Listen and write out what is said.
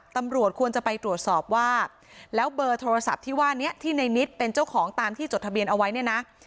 ตำรวจควรจะไปตรวจสอบว่าแล้วเบอร์โทรศัพท์ที่ว่านี้ที่ในนิดเป็นเจ้าของตามที่จดทะเบียนเอาไว้เนี่ยนะ